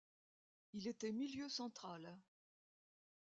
Il était milieu central.